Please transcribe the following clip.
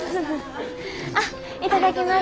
あっ頂きます。